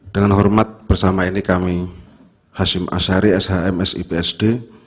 dengan hormat bersama ini kami hashim ashari shmsi psd